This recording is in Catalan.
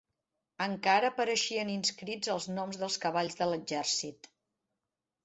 Encara apareixien inscrits els noms dels cavalls de l'exèrcit.